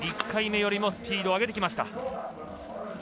１回目よりもスピードを上げてきました。